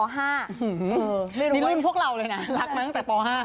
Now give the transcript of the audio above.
ไม่รู้ว่ามีรุ่นพวกเราเลยนะรักมาตั้งแต่ป๕